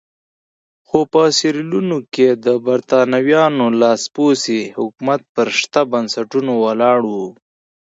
خو په سیریلیون کې د برېټانویانو لاسپوڅی حکومت پر شته بنسټونو ولاړ وو.